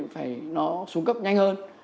phải nó xuống cấp nhanh hơn